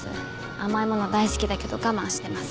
甘いもの大好きだけど我慢してます。